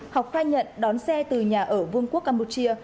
học khai nhận đón xe từ nhà ở vương quốc campuchia